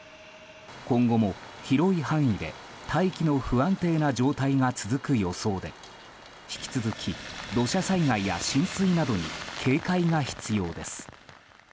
今後も広い範囲で大気が不安定な状態が続く予想で引き続き土砂災害や浸水などに警戒が必要です。